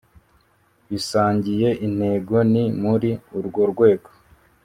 bisangiye intego ni muri urwo rwego